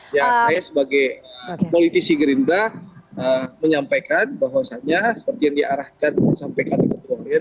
ya saya sebagai politisi gerindra menyampaikan bahwasannya seperti yang diarahkan disampaikan ketua harian